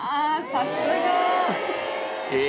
さすが！え！